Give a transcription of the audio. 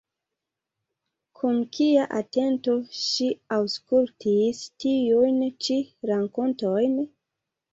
Kun kia atento ŝi aŭskultis tiujn ĉi rakontojn!